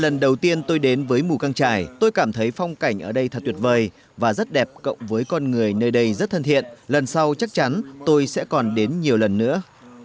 lần đầu tiên tôi đến với mù căng trải tôi cảm thấy phong cảnh ở đây thật tuyệt vời và rất đẹp cộng với con người nơi đây rất thân thiện lần sau chắc chắn tôi sẽ còn đến nhiều lần nữa